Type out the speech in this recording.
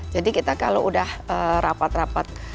jadi kita kalau sudah rapat rapat